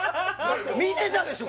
見てたでしょ